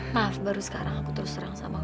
maaf baru sekarang aku terus serang sama kamu